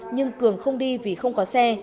nhưng cường không đi vì không có xe